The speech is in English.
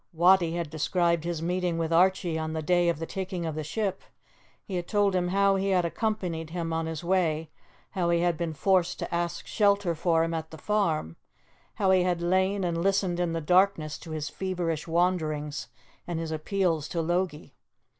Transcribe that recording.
Wattie had described his meeting with Archie on the day of the taking of the ship; he had told him how he had accompanied him on his way, how he had been forced to ask shelter for him at the farm, how he had lain and listened in the darkness to his feverish wanderings and his appeals to Logie.